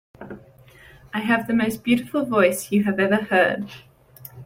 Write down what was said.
I have the most beautiful voice you have ever heard.